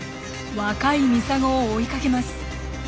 若いミサゴを追いかけます。